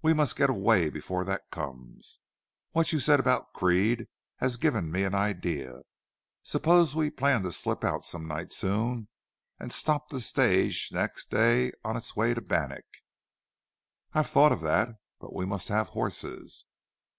We must get away before that comes. What you said about Creede has given me an idea. Suppose we plan to slip out some night soon, and stop the stage next day on its way to Bannack?" "I've thought of that. But we must have horses."